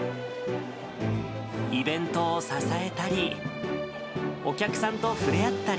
イベントを支えたり、お客さんと触れ合ったり。